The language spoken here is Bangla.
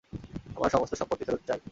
আমার সমস্ত সম্পত্তি ফেরত চাই!